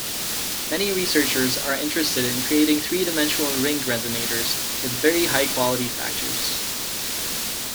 Many researchers are interested in creating three-dimensional ring resonators with very high quality factors.